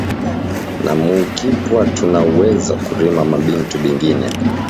Na mu kipwa tuna weza kurima ma bintu bingine